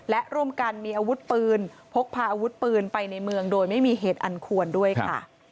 และร่วมกันมีอาวุธปืนพกพาอาวุธปืนไปในเมืองโดยไม่มีเหตุอันควรด้วยค่ะ